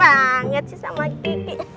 baik banget sih sama geki